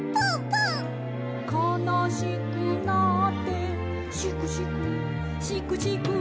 「かなしくなってシクシクシクシク」